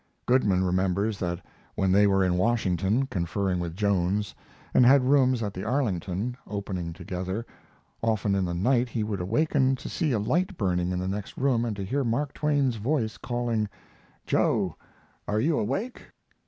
Goodman remembers that when they were in Washington, conferring with Jones, and had rooms at the Arlington, opening together, often in the night he would awaken to see a light burning in the next room and to hear Mark Twain's voice calling: "Joe, are you awake?"